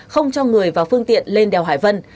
không cho người vào phương tiện lên đèo hải vân